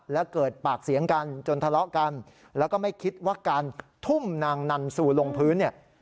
และเกิดปากเสียงกันจนทะเลาะกันแล้วก็ไม่คิดว่าการทุ่มนางนันซูลงพื้นเนี่ย